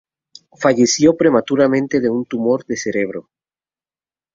Falleció prematuramente de un tumor de cerebro.